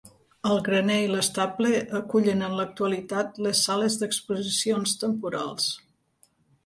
El graner i l'estable acullen en l'actualitat les sales d'exposicions temporals.